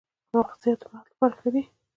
مغزيات د مغز لپاره ښه دي